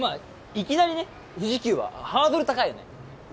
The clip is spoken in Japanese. いきなりね富士急はハードル高いよね